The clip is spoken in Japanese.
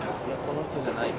この人じゃない。